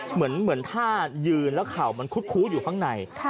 เหมือนท่ายืนแล้วเข่ามันคุดคู้อยู่ข้างใน